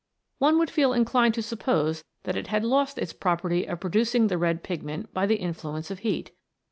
One would feel inclined to suppose that it had lost its property of producing the red pigment by the influence of heat.